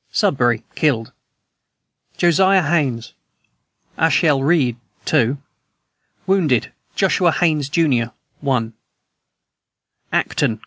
SUDBURY. Killed: Josiah Haynes, Asahel Reed, 2. Wounded: Joshua Haynes, jr., 1. ACTON.